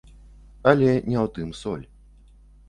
Але не ў тым соль.